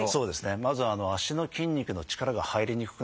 まず足の筋肉の力が入りにくくなる。